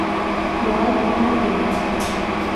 Kulağa güzel geliyor.